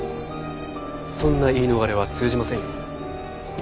そんな言い逃れは通じませんよ。